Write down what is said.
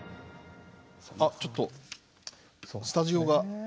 あっちょっとスタジオが。